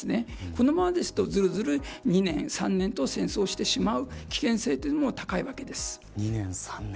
このままですとずるずる２年、３年と戦争してしまう危険性というのも高いわけです。